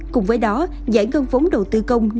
cùng với đó giải ngân vốn đầu tư công